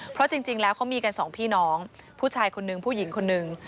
เพราะจริงแล้วเขามีกันสองพี่น้องผู้ชายคนนึงผู้หญิงคนนึง